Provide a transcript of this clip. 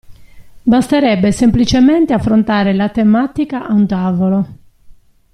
Basterebbe semplicemente affrontare la tematica a un tavolo.